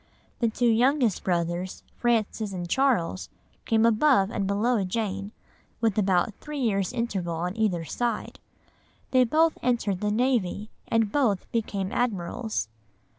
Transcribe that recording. The two youngest brothers, Francis and Charles, came above and below Jane, with about three years' interval on either side. They both entered the navy, and both became admirals.